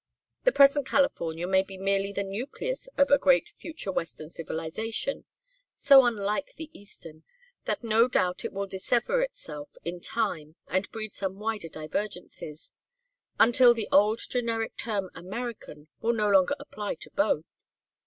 The present California may be merely the nucleus of a great future Western civilization, so unlike the Eastern that no doubt it will dissever itself in time and breed still wider divergences; until the old generic term American will no longer apply to both.